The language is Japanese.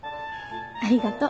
ありがと。